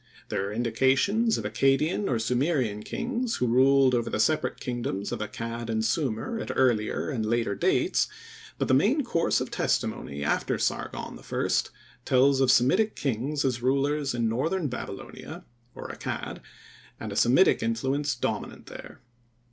There are indications of Accadian or Sumerian kings who ruled over the separate kingdoms of Accad and Sumir at earlier and later dates, but the main course of testimony after Sargon I tells of Semitic kings as rulers in northern Babylonia, or Accad, and a Semitic influence dominant there.